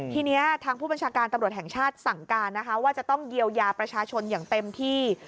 ทีนี้ทางผู้บัญชาการตำรวจแห่งชาติสั่งการนะคะว่าจะต้องเยียวยาประชาชนอย่างเต็มที่